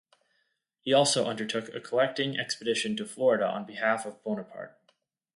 He also undertook a collecting expedition to Florida on behalf of Bonaparte.